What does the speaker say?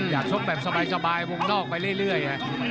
ชกแบบสบายวงนอกไปเรื่อย